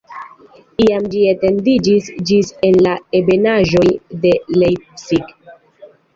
Iam ĝi etendiĝis ĝis en la ebenaĵon de Leipzig.